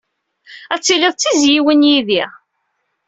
Ad tiliḍ d tizzyiwin yid-i.